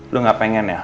lu gak pengen ya